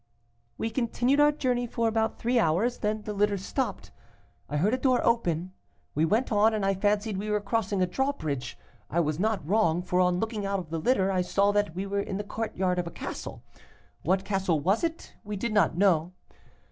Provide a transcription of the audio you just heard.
"We continued our journey for about three hours, then the litter stopped. I heard a door open, we went on, and I fancied we were crossing a drawbridge. I was not wrong, for, on looking out of the litter, I saw that we were in the courtyard of a castle. What castle was it? We did not know.